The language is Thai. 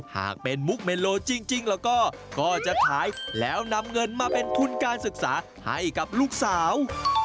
หากเป็นมุกเมโลจริงแล้วก็จะขายแล้วนำเงินมาเป็นทุนการศึกษาให้กับลูกสาว